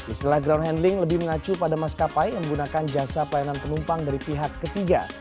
istilah ground handling lebih mengacu pada maskapai yang menggunakan jasa pelayanan penumpang dari pihak ketiga